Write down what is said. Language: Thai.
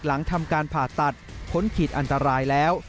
หลังทำการผ่าตัดพ้นขีดอันตรายแล้ว